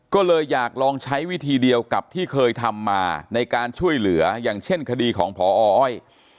ก็เลยอยากลองใช้วิธีเดียวกับที่เคยทำมาในการช่วยเหลืออย่างเช่นคดีของพออ้อย